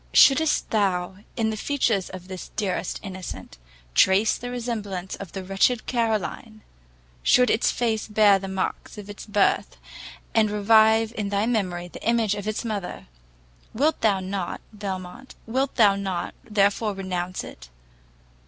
Should'st thou, in the features of this deserted innocent, trace the resemblance of the wretched Caroline, should its face bear the marks of its birth, and revive in thy memory the image of its mother, wilt thou not, Belmont, wilt thou not therefore renounce it?